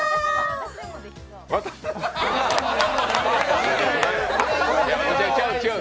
私でもできそう。